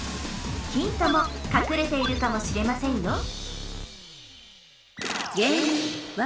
ヒントもかくれているかもしれませんよ